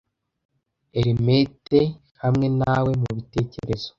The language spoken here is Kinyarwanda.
Eremite hamwe nawe, mubitekerezo